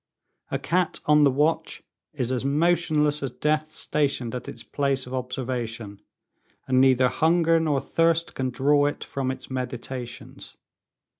A cat on the watch is as motionless as death stationed at its place of observation, and neither hunger nor thirst can draw it from its meditations.